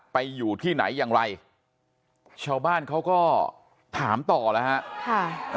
อยู่ที่ไหนอย่างไรชาวบ้านเขาก็ถามต่อแล้วฮะค่ะ